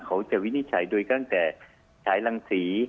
เขาจะวินิจฉัยโดยกลางแต่ฉายรังสี